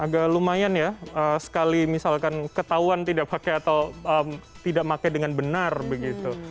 agak lumayan ya sekali misalkan ketahuan tidak pakai atau tidak pakai dengan benar begitu